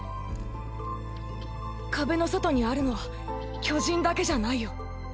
壁の外にあるのは巨人だけじゃないよ。